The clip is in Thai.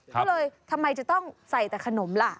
ก็เลยทำไมจะต้องใส่แต่ขนมล่ะ